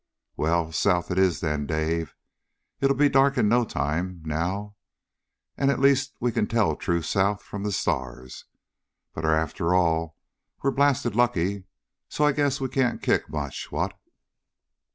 "Well, south it is then, Dave. It'll be dark in no time, now. And at least we can tell true south from the stars. But, after all, we're blasted lucky. So I guess we can't kick much, what?"